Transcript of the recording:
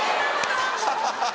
ハハハハ！